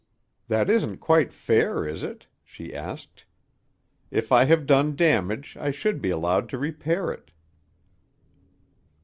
"That isn't quite fair, is it?" she asked. "If I have done damage, I should be allowed to repair it."